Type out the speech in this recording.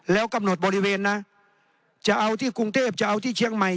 แล้วกำหนดบริเวณนะจะเอาที่กรุงเทพจะเอาที่เชียงใหม่